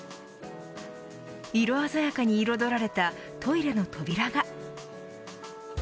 色鮮やかに彩られたトイレの扉が。